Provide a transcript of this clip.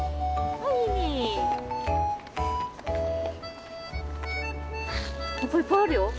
はっぱいっぱいあるよ。